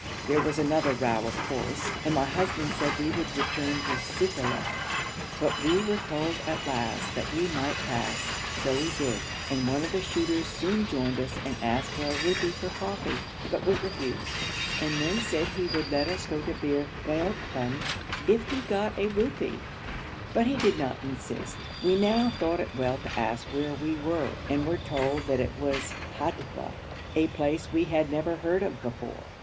There was another row of course, and my husband said we would return to Sufeila; but we were told at last that we might pass, so we did, and one of the shooters soon joined us and asked for a rupee for coffee, but was refused, and then said he would let us go to Bir Baokban if he got a rupee, but he did not insist. We now thought it well to ask where we were, and were told that it was Hadbeh, a place we had never heard of before.